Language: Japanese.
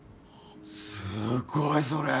すごいそれ！